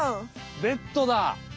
ベッドだね。